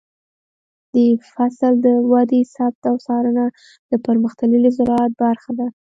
د فصل د ودې ثبت او څارنه د پرمختللي زراعت برخه ده.